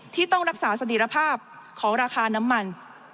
ที่ต้องรักษาสถิรภาพของราคาน้ำมัน